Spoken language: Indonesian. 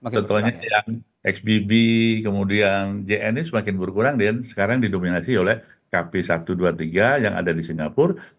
contohnya yang xbb kemudian jn ini semakin berkurang dan sekarang didominasi oleh kp satu ratus dua puluh tiga yang ada di singapura